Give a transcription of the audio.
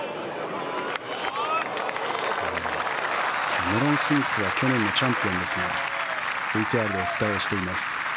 キャメロン・スミスは去年のチャンピオンですがＶＴＲでお伝えしています。